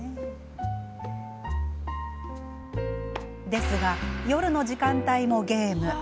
ですが、夜の時間帯もゲーム。